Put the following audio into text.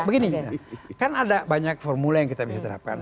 begini kan ada banyak formula yang kita bisa terapkan